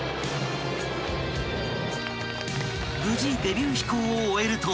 ［無事デビュー飛行を終えると］